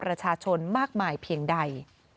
ประชาชนมากมายเพียงใด